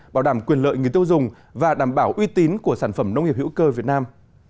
bảo đảm quyền lợi người tiêu dùng và đảm bảo uy tín của sản phẩm nông nghiệp hữu cơ việt nam